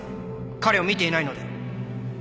彼を見ていないので